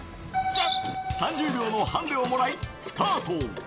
３０秒のハンデをもらい、スタート。